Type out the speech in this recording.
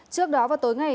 trước đó vào tối ngày